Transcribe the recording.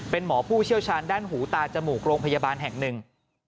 เป็นหมอผู้เชี่ยวชาญด้านหูตาจมูกโรงพยาบาลแห่งหนึ่ง